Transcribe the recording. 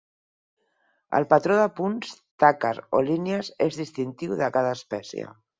El patró de punts, taques o línies és distintiu de cada espècie.